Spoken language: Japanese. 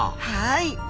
はい。